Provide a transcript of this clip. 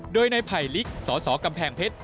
โดยนายภัยลิกสสกำแพงเพชร